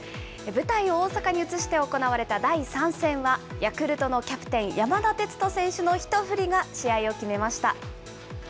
舞台を大阪に移して行われた第３戦は、ヤクルトのキャプテン、山田哲人選手の一振りが試合を決めました。